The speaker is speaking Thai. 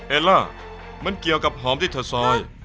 ล่ามันเกี่ยวกับหอมที่เธอซอย